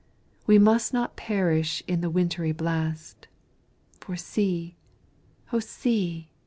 We must not perish in the wintry blast For see, O see!